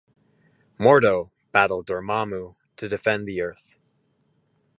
Mordo battled Dormammu to defend the Earth.